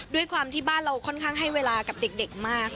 ด้วยความที่บ้านเราค่อนข้างให้เวลากับเด็กมาก